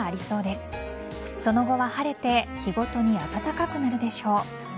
その後は晴れて日ごとに暖かくなるでしょう。